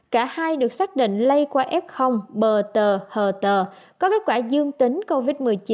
cả hai được xác định lây qua f bờ tờ hờ t tờ có kết quả dương tính covid một mươi chín